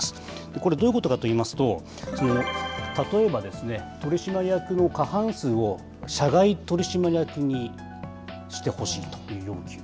これ、どういうことかといいますと、例えば、取締役の過半数を社外取締役にしてほしいという要求。